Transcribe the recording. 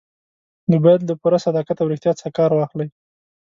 نو باید له پوره صداقت او ریښتیا څخه کار واخلئ.